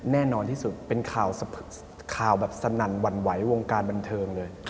แน่นอนที่สุดเป็นข่าวแบบสนั่นหวั่นไหววงการบันเทิงเลย